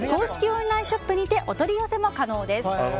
オンラインショップにてお取り寄せも可能です。